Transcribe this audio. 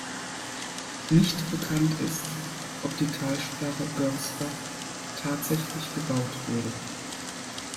Nicht bekannt ist, ob die Talsperre Görsbach tatsächlich gebaut wurde.